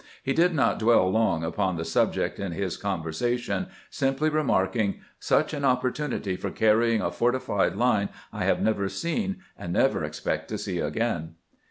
He did not dwell long upon the subject in his conversation, simply remarking :" Such an opportunity for carrying a fortified line I have never seen, and never expect to see again.